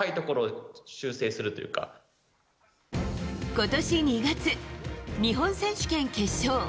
今年２月、日本選手権決勝。